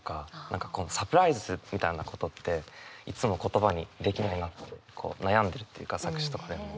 何かこのサプライズみたいなことっていつも言葉にできない悩んでるというか作詞とかでも。